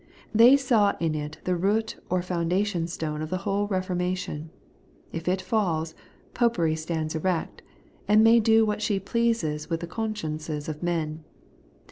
They saw in it the root or foimdation stone of the whole Eeformation. If it falls. Popery stands erect, and may do what she pleases with the consciences of men.